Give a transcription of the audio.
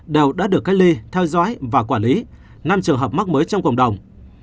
đều đã được cách ly theo dõi và quản lý năm trường hợp mắc mới trong cộng đồng